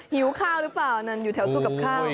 หิวข้าวหรือเปล่านั่นอยู่แถวตู้กับข้าว